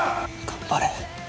頑張れ。